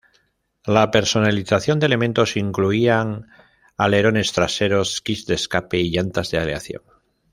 La personalización de elementos incluían alerones traseros, kits de escape y llantas de aleación.